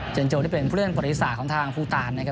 เจินโจที่เป็นเพื่อนบริษัทของทางภูตาลนะครับ